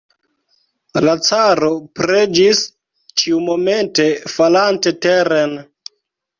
La caro preĝis, ĉiumomente falante teren.